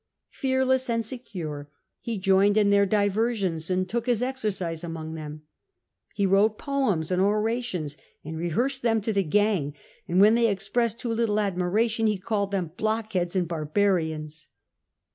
Fearless and secure, ho joined in their diver.siona, and took hia oxercLse among them. Ih) wrote poems ami oratnms, and re Iioarsed them to the gaug, and when they expressed too little admiration, ho called them blockheads and barbarian.^."